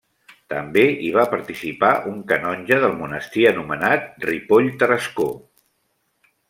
També hi va participar un canonge del monestir anomenat Ripoll Tarascó.